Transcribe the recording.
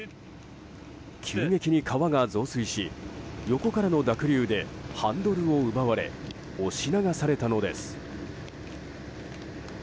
急激に川が増水し横からの濁流でハンドルを奪われ押し流されたのです。